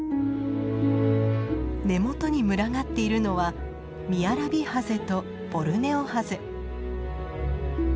根元に群がっているのはミヤラビハゼとボルネオハゼ。